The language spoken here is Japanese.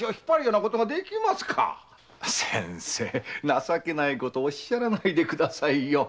情けないことおっしゃらないでくださいよ。